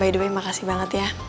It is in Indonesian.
by the way makasih banget ya